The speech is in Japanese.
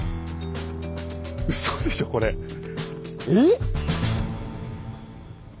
うそでしょこれ。え？